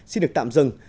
xin được tạm dừng